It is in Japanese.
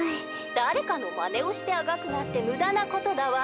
「だれかのまねをしてあがくなんてむだなことだわ」。